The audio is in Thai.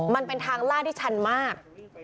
มันเป็นทางล่าที่ชันมาก